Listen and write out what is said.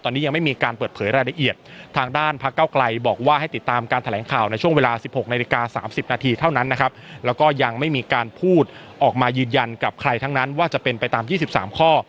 ตอนนี้ยังไม่มีการเปิดเผยรายละเอียดทางด้านพักเก้าไกลบอกว่าให้ติดตามการแถลงข่าวในช่วงเวลา๑๖นาฬิกา๓๐นาทีเท่านั้นนะครับแล้วก็ยังไม่มีการพูดออกมายืนยันกับใครทั้งนั้นว่าจะเป็นไปตาม๒๓ข้อ